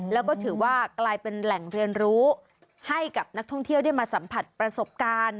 แล้วก็ถือว่ากลายเป็นแหล่งเรียนรู้ให้กับนักท่องเที่ยวได้มาสัมผัสประสบการณ์